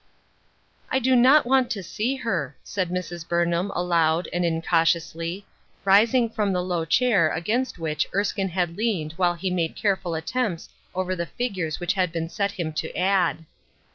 " I do not want to see her," said Mrs. Burnham, aloud, and incautiously, rising from the low chair against which Erskine had leaned while he made careful attempts over the figures which had been set him to add.